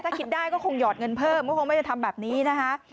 ถ้าคิดได้ก็คงหยอดเงินเพิ่มก็คงไม่ได้ทำแบบนี้นะคะ